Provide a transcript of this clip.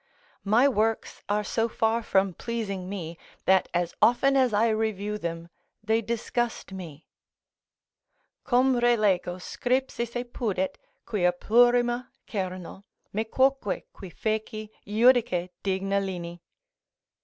My works are so far from pleasing me, that as often as I review them, they disgust me: "Cum relego, scripsisse pudet; quia plurima cerno, Me quoque, qui feci, judice, digna lini."